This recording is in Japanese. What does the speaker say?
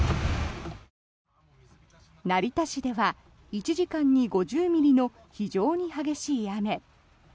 成田市では１時間に５０ミリの非常に激しい雨。